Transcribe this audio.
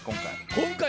今回。